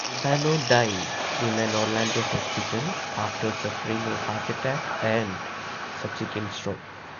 Albano died in an Orlando hospital after suffering a heart attack and subsequent stroke.